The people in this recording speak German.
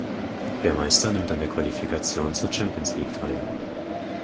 Der Meister nimmt an der Qualifikation zur Champions League teil.